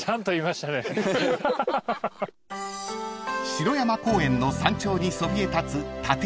［城山公園の山頂にそびえ立つ］